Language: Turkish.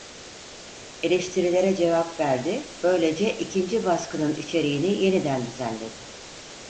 Eleştirilere cevap verdi böylece ikinci baskının içeriğini yeniden düzenledi.